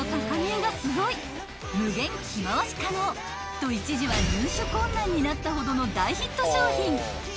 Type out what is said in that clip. ［と一時は入手困難になったほどの大ヒット商品］